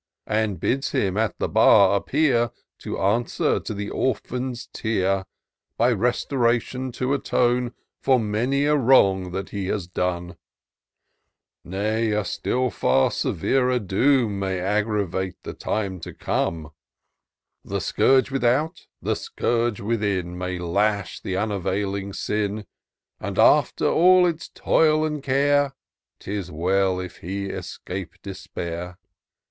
And bids him at the bar appear, To answer to the orphan's tear, By restoration to atone For many a wrong that he has done ! Nay, a still far severer doom May aggravate the time to come : The scourge without, the scourge within, May lash the unavailing sin ; And, after all his toil and care, 'Tis well if he escape Despair.